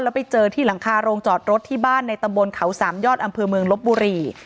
แล้วไปเจอที่หลังคาโรงจอดรถที่บ้านในตำบลเขาสามยอดอำเภอเมืองลบบุรี